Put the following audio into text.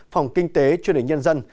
phòng kinh tế chương trình nhân dân